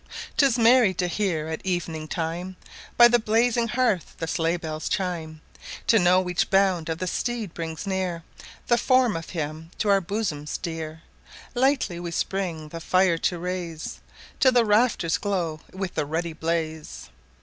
'Tis merry to hear at evening time By the blazing hearth the sleigh bells chime; To know each bound of the steed brings near The form of him to our bosoms dear; Lightly we spring the fire to raise, Till the rafters glow with the ruddy blaze.